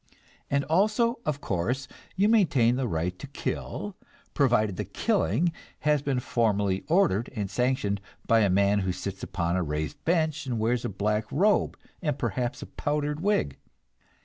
And also, of course, you maintain the right to kill, provided the killing has been formally ordered and sanctioned by a man who sits upon a raised bench and wears a black robe, and perhaps a powdered wig.